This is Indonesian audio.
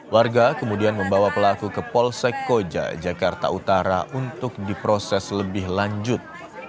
warga kemudian membawa pelaku ke polsek koja jakarta utara untuk diproses lebih lanjut